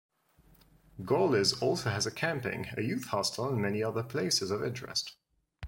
Gorliz also has a camping, a youth hostel and many other places of interest.